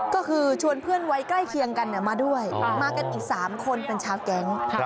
ก็คือชวนเพื่อนไว้ใกล้เคียงกันมาด้วยมากันอีก๓คนเป็นชาวแก๊ง